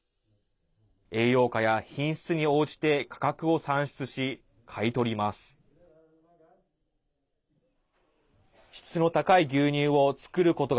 栄養価や品質に応じて価格を算出し、買い取ります。